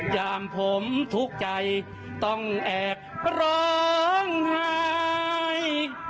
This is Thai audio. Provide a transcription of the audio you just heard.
อย่างผมทุกข์ใจต้องแอบร้องไห้